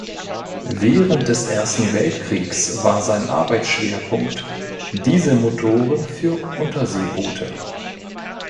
Während des Ersten Weltkriegs war sein Arbeitsschwerpunkt Dieselmotoren für Unterseeboote.